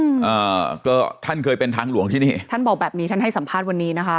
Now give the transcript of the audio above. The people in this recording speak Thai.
อ่าก็ท่านเคยเป็นทางหลวงที่นี่ท่านบอกแบบนี้ท่านให้สัมภาษณ์วันนี้นะคะ